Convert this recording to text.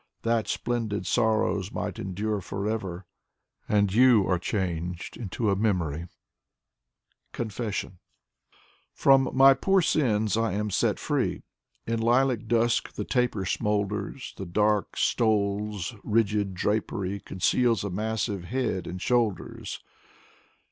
That splendid sorrows might endure forever. And you are changed into a memory. 1^2 Anna Akhmatova CONFESSION From my poor sins I am set free. In lilac dusk the taper smolders; The dark stole's rigid drapery Conceals a massive head and shoulders.